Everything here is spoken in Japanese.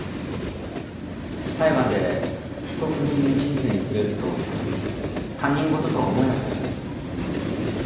裁判で被告人の人生に触れると他人事とは思えなくなります。